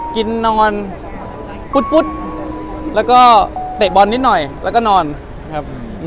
กินนอนปุ๊ดแล้วก็เตะบอลนิดหน่อยแล้วก็นอนครับ